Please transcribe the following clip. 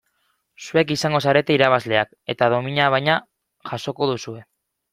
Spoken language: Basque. Zuek izango zarete irabazleak eta domina bana jasoko duzue.